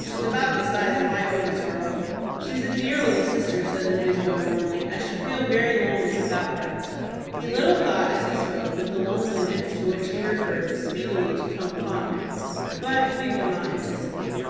She is about the size of my oldest girl." "She's a dear little sister," said the newsboy, warmly. "I should feel very lonely without her." He little thought as he spoke that the loneliness to which he referred was speedily to come upon him. But we will not anticipate.